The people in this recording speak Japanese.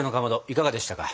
いかがでしたか？